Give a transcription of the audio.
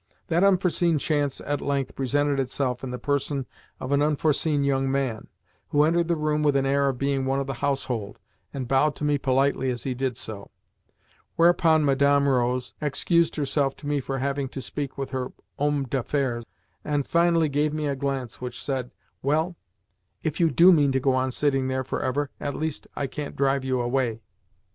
That unforeseen chance at length presented itself in the person of an unforeseen young man, who entered the room with an air of being one of the household, and bowed to me politely as he did so: whereupon Madame rose, excused herself to me for having to speak with her "homme d'affaires," and finally gave me a glance which said: "Well, if you DO mean to go on sitting there for ever, at least I can't drive you away."